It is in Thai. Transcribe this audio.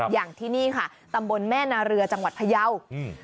อย่างที่นี่ค่ะตำบลแม่นาเรือจังหวัดพยาวอืม